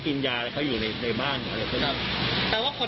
เพราะรู้ข่าวเมื่อคืนนี้ก็โอ้โหตกใจมาก